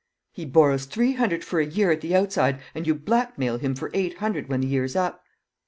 "He borrows three hundred for a year at the outside, and you blackmail him for eight hundred when the year's up."